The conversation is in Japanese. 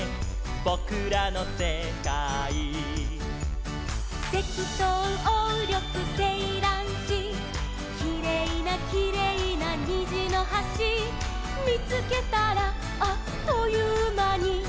「ぼくらのせかい」「セキトウオウリョクセイランシ」「きれいなきれいなにじのはし」「みつけたらあっというまに」